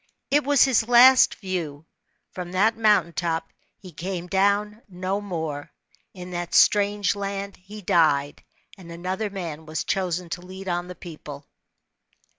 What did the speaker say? It was his last view. From that mountain 30 THE LAND OF CANAAN. [B.C. 1444. top he came down no more. In that strange land he died, and another man was choser to lead on the people.